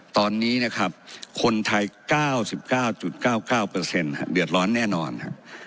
ตอนนี้นะครับคนไทย๙๙๙๙๙เดือดร้อนแน่นอน